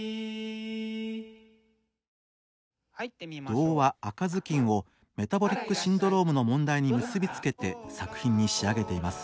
童話「赤ずきん」をメタボリックシンドロームの問題に結び付けて作品に仕上げています。